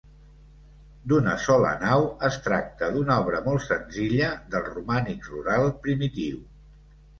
D'una sola nau, es tracta d'una obra molt senzilla del romànic rural primitiu.